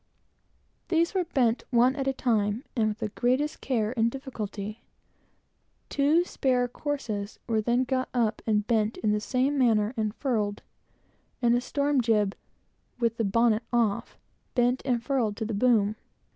These were done one at a time, and with the greatest care and difficulty. Two spare courses were then got up and bent in the same manner and furled, and a storm jib, with the bonnet off, bent and furled to the boom.